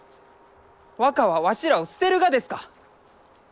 若はわしらを捨てるがですか？